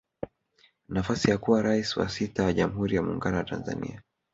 Nafasi ya kuwa Rais wa sita wa jamhuri ya Muungano wa Tanzania